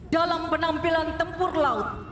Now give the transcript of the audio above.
dalam penampilan tempur laut